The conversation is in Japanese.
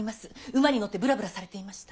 馬に乗ってぶらぶらされていました。